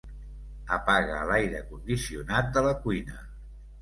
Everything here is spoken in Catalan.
Apaga l'aire condicionat de la cuina.